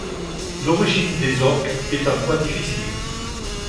L'origine des Orques est un point difficile.